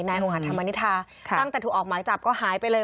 หัดธรรมนิษฐาตั้งแต่ถูกออกหมายจับก็หายไปเลย